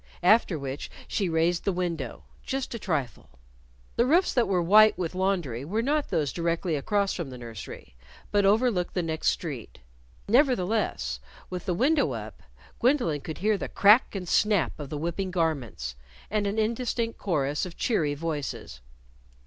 After which she raised the window just a trifle. The roofs that were white with laundry were not those directly across from the nursery, but over looked the next street. Nevertheless, with the window up, Gwendolyn could hear the crack and snap of the whipping garments, and an indistinct chorus of cheery voices.